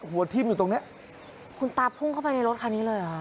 หัวทิ้มอยู่ตรงเนี้ยคุณตาพุ่งเข้าไปในรถคันนี้เลยเหรอ